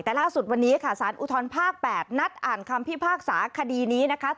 แต่ล่าสุดวันนี้ค่ะสารอุทธรภาค๘นัดอ่านคำพิพากษาคดีนี้นะคะ